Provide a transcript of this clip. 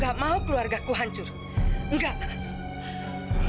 karena mama nggak butuh hasil tes itu